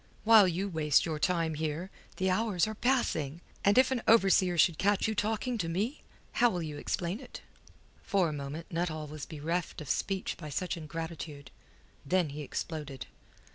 While you waste your time here, the hours are passing! And if an overseer should catch you talking to me? How'll you explain it?" For a moment Nuttall was bereft of speech by such ingratitude. Then he exploded.